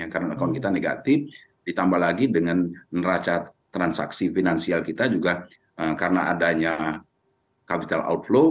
karena account kita negatif ditambah lagi dengan neraca transaksi finansial kita juga karena adanya capital outflow